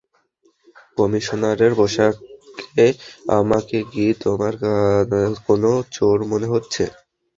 কমিশনারের পোশাকে আমাকে কি তোমার কোনো চোর মনে হচ্ছে?